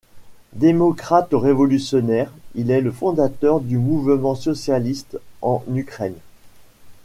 Démocrate révolutionnaire, il est le fondateur du mouvement socialiste en Ukraine.